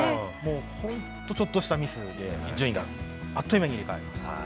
もう本当、ちょっとしたミスで、順位があっという間に入れ代わります。